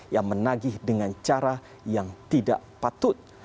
yang menagih dengan cara yang tidak patut